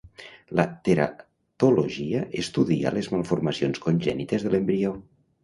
La teratologia estudia les malformacions congènites de l'embrió.